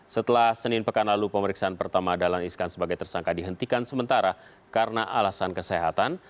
setelah senin pekan lalu pemeriksaan pertama dahlan iskan sebagai tersangka dihentikan sementara karena alasan kesehatan